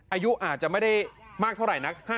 อายุอาจจะไม่ได้มากเท่าไหร่นัก